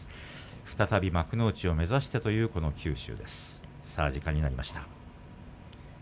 再び幕内を目指してという九州。